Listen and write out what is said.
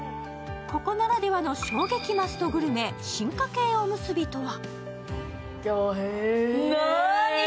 ここならではの衝撃マストグルメ進化系おむすびとは。